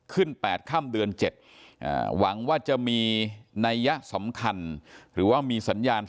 ๘ค่ำเดือน๗หวังว่าจะมีนัยยะสำคัญหรือว่ามีสัญญาณ